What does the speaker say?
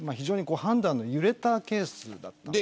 判断の揺れたケースだったんです